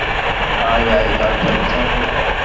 আয়, আয়, যার যার বিছানায় শুয়ে পড়।